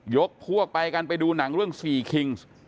ยกพวกไปกันไปดูหนังเรื่องสี่คิงส์